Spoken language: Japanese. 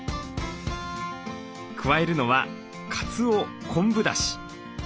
加えるのはかつお昆布だし。